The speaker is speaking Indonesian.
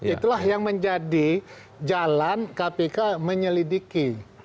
itulah yang menjadi jalan kpk menyelidiki